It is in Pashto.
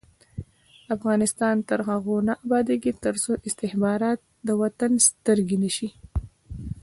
افغانستان تر هغو نه ابادیږي، ترڅو استخبارات د وطن سترګې نشي.